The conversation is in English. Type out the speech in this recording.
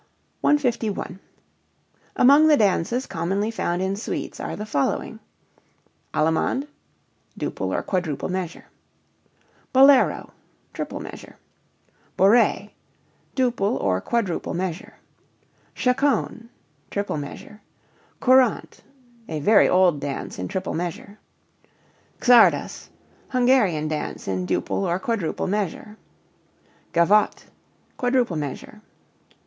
151. Among the dances commonly found in suites are the following: Allemande duple or quadruple measure. Bolero triple measure. Bourée duple or quadruple measure. Chaconne triple measure. Courante a very old dance in triple measure. Csardas Hungarian dance in duple or quadruple measure. Gavotte quadruple measure.